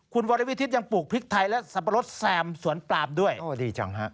คุณวรวิทิศยังปลูกพริกไทยและสับปะรดแซมสวนปลามด้วยโอ้ดีจังฮะ